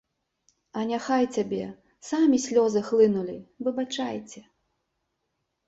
А няхай цябе, самі слёзы хлынулі, выбачайце.